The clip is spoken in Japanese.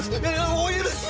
お許しを！